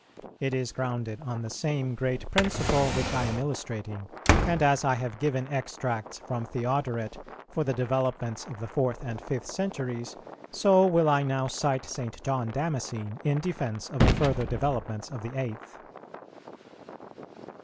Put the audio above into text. It is grounded on the same great principle which I am illustrating; and as I have given extracts from Theodoret for the developments of the fourth and fifth centuries, so will I now cite St. John Damascene in defence of the further developments of the eighth.